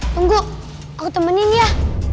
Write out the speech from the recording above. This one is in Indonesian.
tunggu aku temenin ya